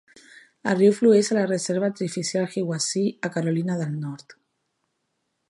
El riu flueix a la reserva artificial Hiwassee a Carolina del Nord.